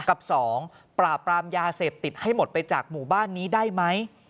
กับ๒ปราบปรามยาเสพติดให้หมดไปจากหมู่บ้านนี้ได้ไหม